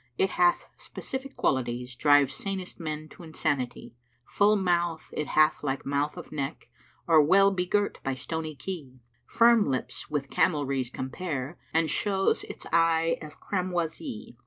It hath specific qualities * Drive sanest men t' insanity; Full mouth it hath like mouth of neck * Or well begirt by stony key; Firm lips with camelry's compare * And shows it eye of cramoisie.